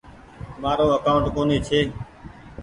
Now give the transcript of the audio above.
مآرو اڪآونٽ ڪونيٚ ڇي۔